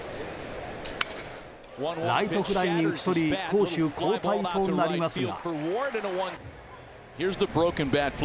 ライトフライに打ち取り攻守交代となりますが。